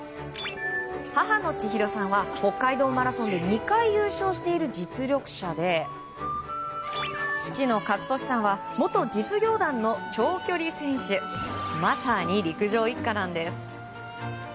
母の千洋さんは北海道マラソンで２回優勝している実力者で、父の健智さんは元実業団の長距離選手まさに陸上一家なんです。